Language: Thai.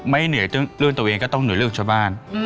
เหนื่อยเรื่องตัวเองก็ต้องเหนื่อยเรื่องชาวบ้าน